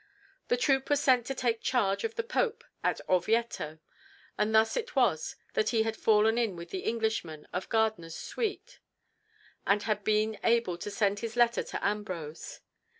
The troop was sent to take charge of the Pope at Orvieto, and thus it was that he had fallen in with the Englishmen of Gardiner's suite, and had been able to send his letter to Ambrose.